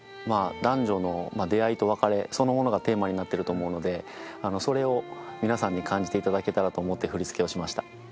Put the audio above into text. まあ男女のまあ出会いと別れそのものがテーマになってると思うのであのそれを皆さんに感じていただけたらと思って振り付けをしました。